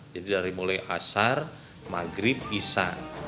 jadi dari mulai asar maghrib isan